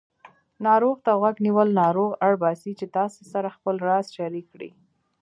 ناروغ ته غوږ نیول ناروغ اړباسي چې تاسې سره خپل راز شریک کړي